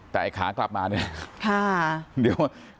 แต่ขากลับมาเนี่ย